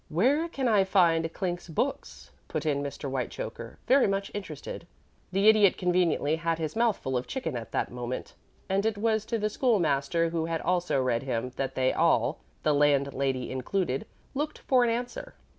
"Where can I find Clink's books?" put in Mr. Whitechoker, very much interested. The Idiot conveniently had his mouth full of chicken at the moment, and it was to the School master who had also read him that they all the landlady included looked for an answer.